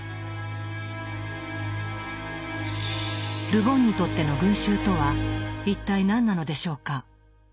ル・ボンにとっての群衆とは一体何なのでしょうか？